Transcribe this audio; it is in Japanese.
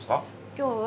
今日は。